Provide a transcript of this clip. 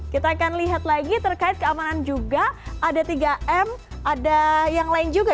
kita akan lihat lagi terkait keamanan juga ada tiga m ada yang lain juga